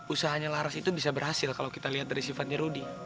usahanya laras itu bisa berhasil kalau kita lihat dari sifatnya rudy